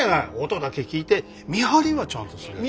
音だけ聞いて見張りはちゃんとすれば。